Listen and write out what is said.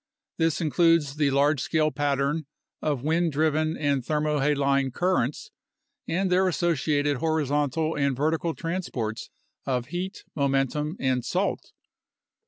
This includes the large scale pattern of wind driven and thermohaline currents and their associated horizontal and vertical transports of heat, momentum, and salt.